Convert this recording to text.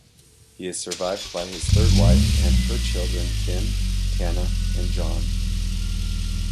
He is survived by his third wife and her children Tim, Tanna, and John.